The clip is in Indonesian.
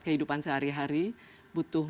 kehidupan sehari hari butuh